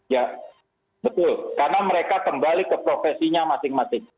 ya betul karena mereka kembali ke profesinya masing masing